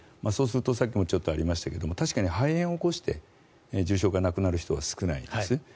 そうするとさっきもちょっとありましたが確かに肺炎を起こして重症化、亡くなる方は少ないですね。